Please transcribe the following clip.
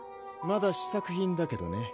まだ試作品だけどね